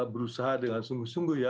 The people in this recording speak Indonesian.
berusaha dengan sungguh sungguh